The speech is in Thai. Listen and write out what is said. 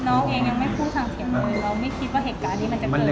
น้องเองยังไม่พูดสั่งเสียงเลย